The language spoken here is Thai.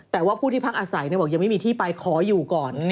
แต่ว่าผู้ที่พักอาศัยบอกยังไม่มีที่ไปขออยู่ก่อน